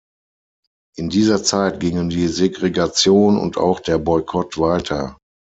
In dieser Zeit gingen die Segregation und auch der Boykott weiter.